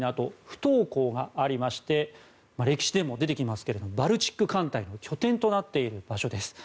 不凍港がありまして歴史でも出てきますけれどバルチック艦隊の拠点となっている場所です。